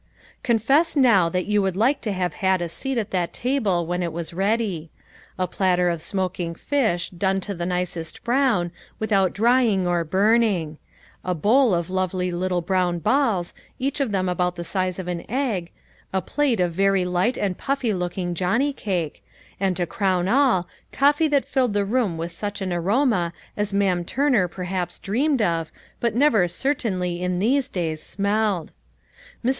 Confess now that you would like to have had a seat at that table when it was ready. A plat ter of smoking fish, done to the nicest brown, without drying or burning ; a bowl of lovely little brown balls, each of them about the size of an egg, a plate of very light and puffy looking Johnny cake, and to crown all, coffee that filled the room with such an aroma as Ma'am Turner 214 LITTLE FISHERS: AND TI^EIR NETS. perhaps dreamed of, but never certainly in these days smelled. Mrs.